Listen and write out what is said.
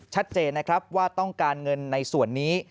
ชัดเจนนะครับว่าต้องการเงินในส่วนนี้